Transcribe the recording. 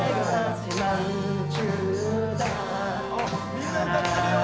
みんな歌ってるよ。